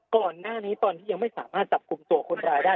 ก่อนหน้านี้ตอนที่ยังไม่สามารถจับกลุ่มตัวคนร้ายได้